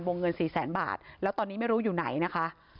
เงินสี่แสนบาทแล้วตอนนี้ไม่รู้อยู่ไหนนะคะ